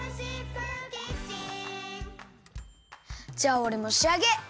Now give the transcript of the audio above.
じゃあおれもしあげ！